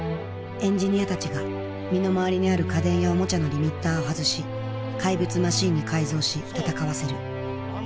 エンジニアたちが身の回りにある家電やおもちゃのリミッターを外し怪物マシンに改造し戦わせる「魔改造の夜」。